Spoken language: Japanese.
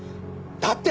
だって！